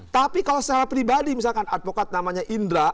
tapi kalau secara pribadi misalkan advokat namanya indra